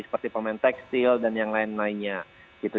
seperti pemain tekstil dan yang lain lainnya gitu